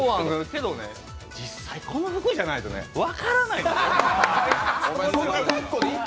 けど実際、この服じゃないと分からない。